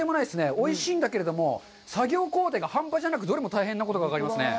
おいしいんですけれども、作業工程が半端なく、大変なことが分かりますね。